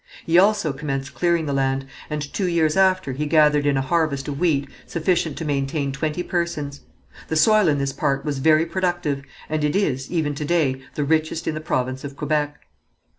He also commenced clearing the land, and two years after he gathered in a harvest of wheat sufficient to maintain twenty persons. The soil in this part was very productive, and it is, even to day, the richest in the province of Quebec.